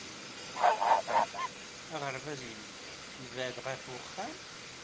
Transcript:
Aɣerbaz-nnem yebɛed ɣef wexxam?